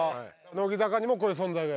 乃木坂にもこういう存在がいる？